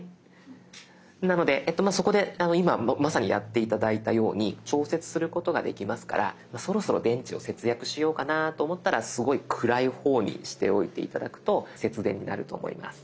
なのでそこで今まさにやって頂いたように調節することができますからそろそろ電池を節約しようかなと思ったらすごい暗い方にしておいて頂くと節電になると思います。